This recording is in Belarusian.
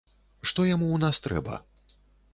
Што яму ў нас трэба?